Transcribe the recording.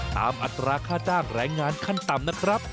อัตราค่าจ้างแรงงานขั้นต่ำนะครับ